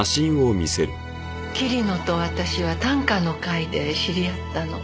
桐野と私は短歌の会で知り合ったの。